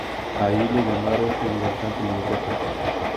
Ahí le llamaron "El Huracán Pelirrojo".